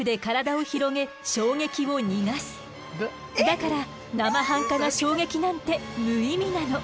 だからなまはんかな衝撃なんて無意味なの。